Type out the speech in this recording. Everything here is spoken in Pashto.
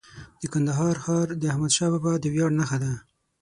د کندهار ښار د احمدشاه بابا د ویاړ نښه ده.